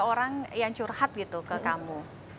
orang yang curhat gitu ke kamu